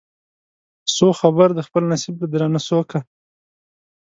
سو خبر د خپل نصیب له درانه سوکه